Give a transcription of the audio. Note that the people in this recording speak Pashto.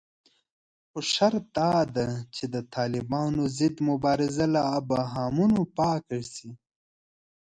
خو شرط داده چې د طالبانو ضد مبارزه له ابهامونو پاکه شي